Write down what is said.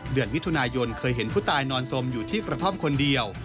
เดือนมิถุนายนเคยเห็นผู้ตายนอนสมอยู่ที่กระท่อมคนเดียว